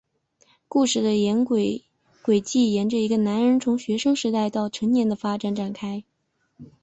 故事的轨迹沿着一个男人从学生时代到成年的发展展开。